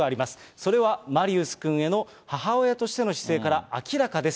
それはマリウスくんへの母親としての姿勢から明らかです。